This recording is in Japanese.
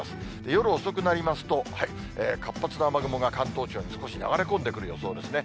夜遅くになりますと、活発な雨雲が関東地方に少し流れ込んでくる予想ですね。